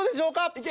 いけ！